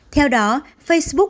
theo đó facebook